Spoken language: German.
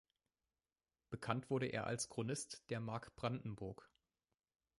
Bekannt wurde er als Chronist der Mark Brandenburg.